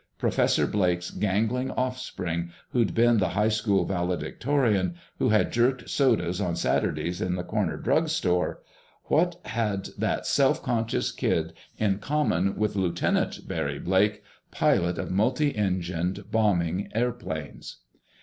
Professor Blake's gangling offspring, who'd been the high school valedictorian, who had jerked sodas on Saturdays in the corner drug store—what had that self conscious kid in common with Lieutenant Barry Blake, pilot of multi engined bombing planes?